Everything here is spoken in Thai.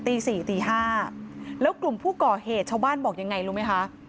ตี๔ตี๕แล้วกลุ่มผู้ก่อเหตุชาวบ้านบอกยังไงรู้ไหมคะ